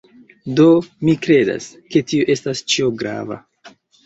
Do, mi kredas, ke tio estas ĉio grava.